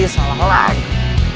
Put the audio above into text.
sampai jumpa lagi